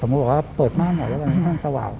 ผมก็บอกว่าเปิดบ้านหน่อยแล้วบ้านสว่าง